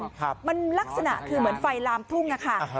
ครับมันลักษณะคือเหมือนไฟลามทุ่งอะค่ะ